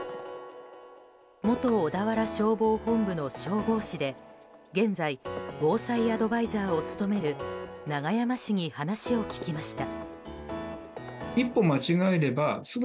元小田原消防本部の消防士で現在、防災アドバイザーを務める永山氏に話を聞きました。